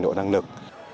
có năng lực